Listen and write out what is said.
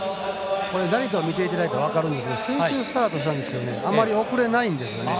成田を見ていると分かるんですが水中スタートしたんですけどあまり遅れないんですよね。